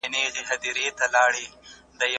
صنعتي سکتور څنګه د بازار اړتیاوې تحلیلوي؟